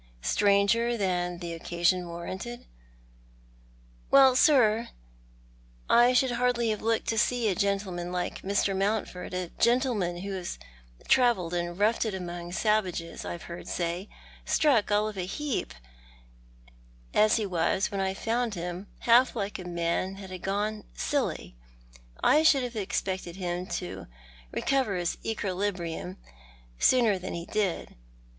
" Stranger than the occasion warranted ?"" Well, sir, I should hardly have looked to see a gentleman like Mr. Mountford — a gentleman who has travelled and roughed it among savages, I've heard say— struck all of a heap as he was v/hen I found him — half like a man that had gone silly. I should have expected him to recover his equerbrillium sooner than he did.